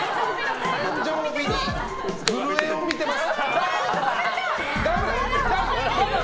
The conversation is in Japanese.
誕生日に震えを見てます。